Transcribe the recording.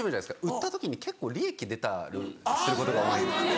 売った時に結構利益出たりすることが多い。